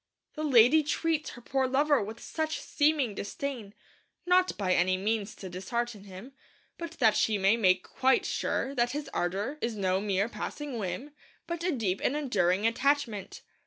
The lady treats her poor lover with such seeming disdain, not by any means to dishearten him, but that she may make quite sure that his ardour is no mere passing whim, but a deep and enduring attachment.